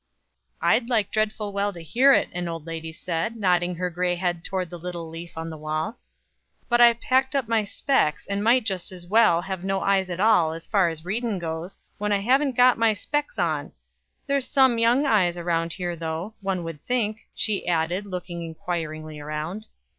"I'd like dreadful well to hear it," an old lady said, nodding her gray head toward the little leaf on the wall; "but I've packed up my specs, and might just as well have no eyes at all, as far as readin' goes, when I haven't got my specs on. There's some young eyes round here though, one would think." she added, looking inquiringly around.